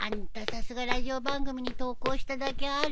さすがラジオ番組に投稿しただけあるね。